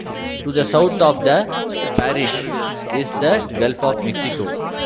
To the south of the parish is the Gulf of Mexico.